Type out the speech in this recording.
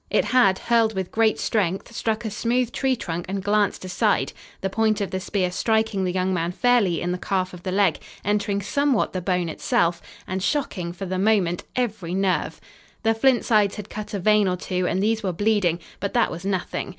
It had, hurled with great strength, struck a smooth tree trunk and glanced aside, the point of the spear striking the young man fairly in the calf of the leg, entering somewhat the bone itself, and shocking, for the moment, every nerve. The flint sides had cut a vein or two and these were bleeding, but that was nothing.